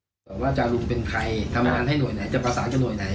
มีสมาคมไหนคนที่เป็นประธานสมาภัณฑ์ชื่ออะไร